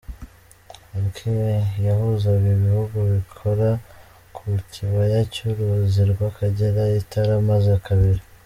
K, yahuzaga ibihugu bikora ku Kibaya cy’Uruzi rw’Akagera itaramaze kabiri.